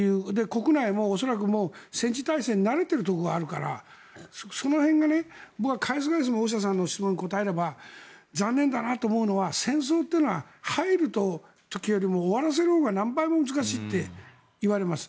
国内も恐らく、戦時体制に慣れているところがあるからその辺が、返す返す大下さんの質問に答えれば残念だなと思うのは戦争というのは入る時よりも終わらせるほうが何倍も難しいといわれます。